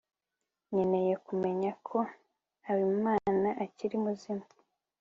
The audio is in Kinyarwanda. nkeneye kumenya ko habimana akiri muzima